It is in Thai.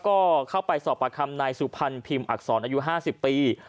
ก็เข้าไปสอบประคำนายสุพรรณพิมพ์อักษรอายุ๕๐ปี